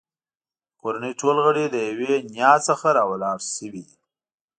د کورنۍ ټول غړي له یوې نیا څخه راولاړ شوي دي.